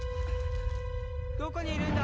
どこにいるんだ？